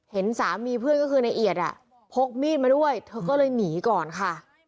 เห็นสามีเพื่อนก็คือในเอียดอ่ะพกมีดมาด้วยเธอก็เลยหนีก่อนค่ะ